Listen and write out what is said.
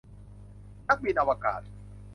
นักบินอวกาศ